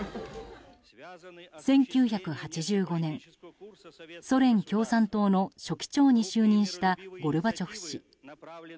１９８５年ソ連共産党の書記長に就任したゴルバチョフ氏。